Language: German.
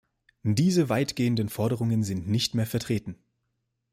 Diese weitgehenden Forderungen sind nicht mehr vertreten.